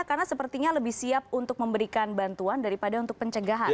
karena sepertinya lebih siap untuk memberikan bantuan daripada untuk pencegahan